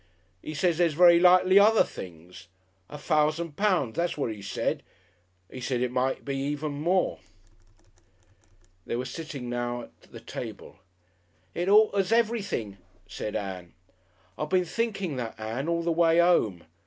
'E says there's very likely other things. A fousand pounds, that's what 'e said. 'E said it might even be more."... They were sitting now at the table. "It alters everything," said Ann. "I been thinking that, Ann, all the way 'ome.